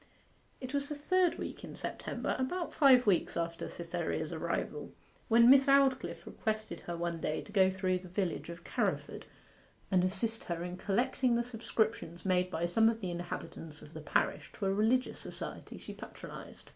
It was the third week in September, about five weeks after Cytherea's arrival, when Miss Aldclyffe requested her one day to go through the village of Carriford and assist herself in collecting the subscriptions made by some of the inhabitants of the parish to a religious society she patronized.